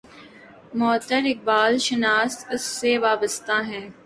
معتبر اقبال شناس اس سے وابستہ ہیں۔